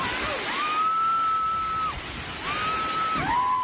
อ้าวเจ็บหูด้วย